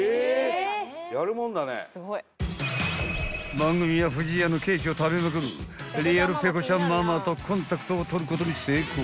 ［番組は不二家のケーキを食べまくるリアルペコちゃんママとコンタクトを取ることに成功］